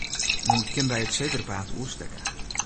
Men kin by it sebrapaad oerstekke.